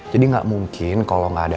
jadi gak mungkin kalau gak ada